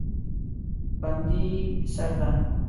بندي سرده